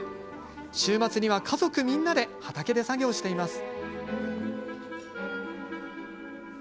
週末には、家族みんなで畑で作業しています。